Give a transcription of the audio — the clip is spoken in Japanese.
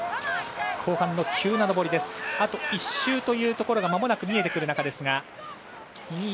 あと１周というところがまもなく見えてくるところですが。